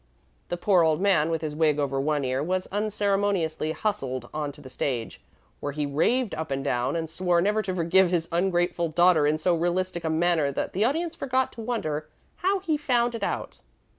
The poor old man, with his wig over one ear, was unceremoniously hustled on to the stage, where he raved up and down and swore never to forgive his ungrateful daughter in so realistic a manner that the audience forgot to wonder how he found it out.